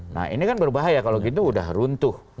nah ini kan berbahaya kalau gitu udah runtuh